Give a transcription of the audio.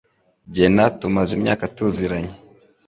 Jye na tumaze imyaka tuziranye.